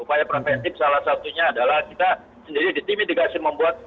upaya preventif salah satunya adalah kita sendiri ditimidikasi membuat